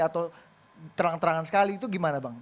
atau terang terangan sekali itu gimana bang